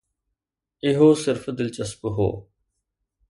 اهو صرف دلچسپ هو.